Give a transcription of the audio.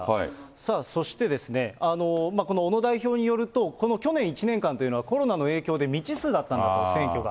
さあそして、この小野代表によると、この去年１年間というのは、コロナの影響で未知数だったんだと、選挙が。